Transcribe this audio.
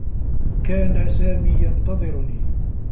كان سامي ينتظرني.